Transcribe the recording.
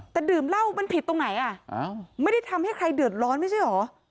แต่ดื่มเหล้ามันผิดตรงไหนอ่ะไม่ได้ทำให้ใครเดือดร้อนไม่ใช่เหรอ